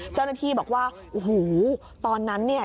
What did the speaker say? เจ้าหน้าที่บอกว่าโอ้โหตอนนั้นเนี่ย